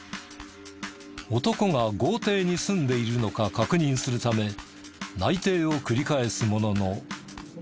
男が豪邸に住んでいるのか確認するため内偵を繰り返すものの。